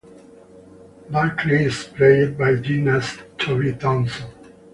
Barkley is played by gymnast Toby Towson.